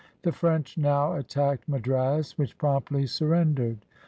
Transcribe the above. The French now attacked Madras, which promptly surrendered.